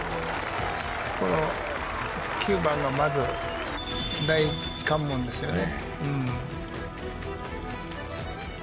９番のまず、第一関門ですよね。